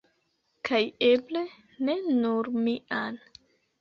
Kaj eble, ne nur mian.